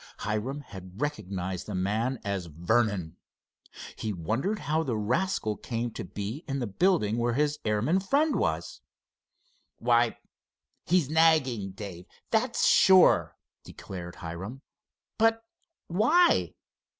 Hiram had recognized the man as Vernon. He wondered how the rascal came to be in the building where his airman friend was. "Why, he's nagging Dave, that's sure," declared Hiram. "But why?